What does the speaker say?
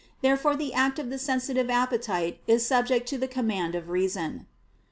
Therefore the act of the sensitive appetite is subject to the command of reason.